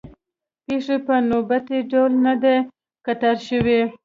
پېښې په نوبتي ډول نه دي قطار شوې.